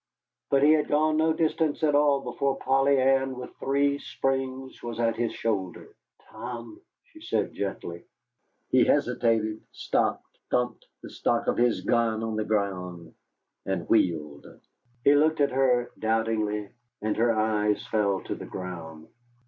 But he had gone no distance at all before Polly Ann, with three springs, was at his shoulder. "Tom!" she said very gently. He hesitated, stopped, thumped the stock of his gun on the ground, and wheeled. He looked at her doubtingly, and her eyes fell to the ground.